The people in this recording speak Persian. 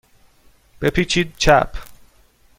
بپیچید چپ.